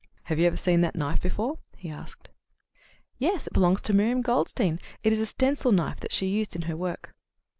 "Have you ever seen that knife before?" he asked. "Yes. It belongs to Miriam Goldstein. It is a stencil knife that she used in her work."